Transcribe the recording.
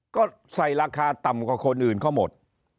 ก็ใส่ราคาต่ำกว่าคนอื่นเขาหมด